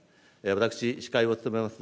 私、司会を務めます